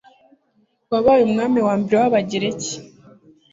wabaye umwami wa mbere w'abagereki